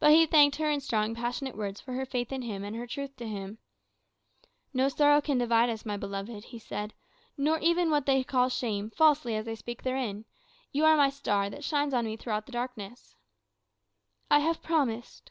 But he thanked her in strong, passionate words for her faith in him and her truth to him. "No sorrow can divide us, my beloved," he said, "nor even what they call shame, falsely as they speak therein. You are my star, that shines on me throughout the darkness." "I have promised."